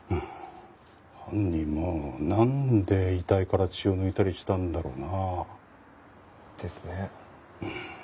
犯人もなんで遺体から血を抜いたりしたんだろうな？ですね。